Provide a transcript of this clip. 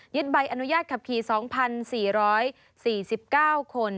ใบอนุญาตขับขี่๒๔๔๙คน